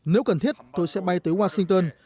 nếu cần thiết tôi sẽ bay tới washington